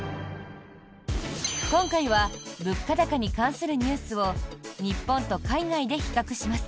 今回は物価高に関するニュースを日本と海外で比較します。